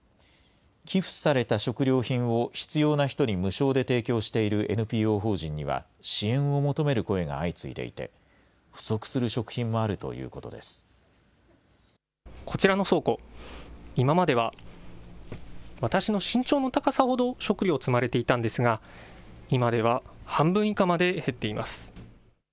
寄付された食料品を必要な人に無償で提供しているＮＰＯ法人には、支援を求める声が相次いでいて、不足する食品もあるということでこちらの倉庫、今までは私の身長の高さほど食料積まれていたんですが、今では半分以下まで減っています。